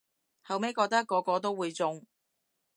後咪覺得個個都會中